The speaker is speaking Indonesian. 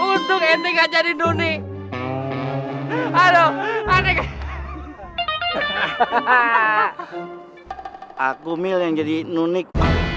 untuk ending aja di dunia aduh adek aku milik jadi nunik